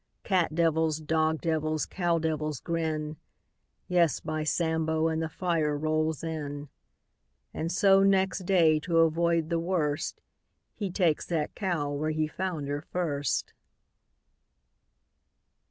Cat devils, dog devils, cow devils grin — Yes, by Sambo, And the fire rolls in. 870911 100 VACHEL LINDSAY And so, next day, to avoid the worst — He ta'kes that cow Where he found her first.